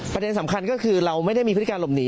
ประเด็นสำคัญก็คือเราไม่ได้มีพฤติการหลบหนี